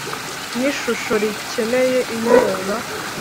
Ni ishusho rikeneye inkunga.